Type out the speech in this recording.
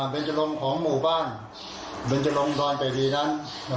เป็นจรลงของหมู่บ้านเบนจรงดอนไปดีนั้น